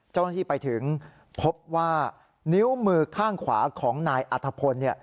เจ้าหน้าที่ไปถึงพบว่านิ้วมือข้างขวาของนายอัธพล